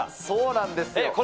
そうなんですよ。